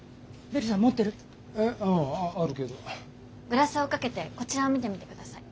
グラスをかけてこちらを見てみてください。